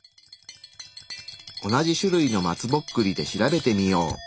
同じ種類の松ぼっくりで調べてみよう。